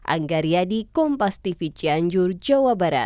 anggaria di kompas tv cianjur jawa barat